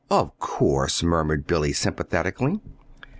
"Of course," murmured Billy, sympathetically.